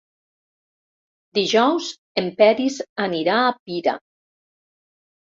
Dijous en Peris anirà a Pira.